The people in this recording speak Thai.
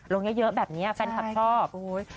ลงเยอะแบบนี้แฟนคลับชอบ